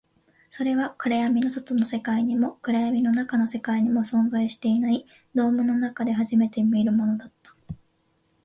それは暗闇の外の世界にも、暗闇の中の世界にも存在していない、ドームの中で初めて見るものだった